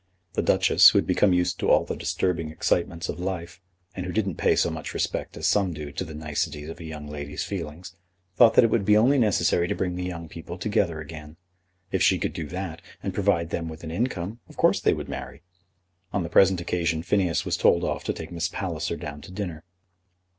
The Duchess, who had become used to all the disturbing excitements of life, and who didn't pay so much respect as some do to the niceties of a young lady's feelings, thought that it would be only necessary to bring the young people together again. If she could do that, and provide them with an income, of course they would marry. On the present occasion Phineas was told off to take Miss Palliser down to dinner.